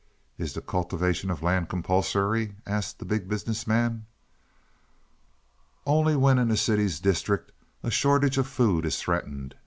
"Is the cultivation of land compulsory?" asked the Big Business Man. "Only when in a city's district a shortage of food is threatened.